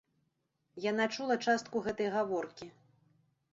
Яна чула частку гэтай гаворкі.